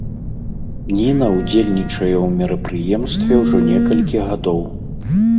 Ніна ўдзельнічае ў мерапрыемстве ўжо некалькі гадоў.